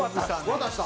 渡した？